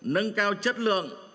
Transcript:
nâng cao chất lượng